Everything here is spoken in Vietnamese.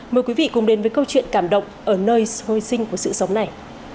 mời quý vị cùng đến với câu chuyện cảm động ở nơi hồi sinh của sự sống này